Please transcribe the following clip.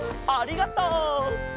ありがとう！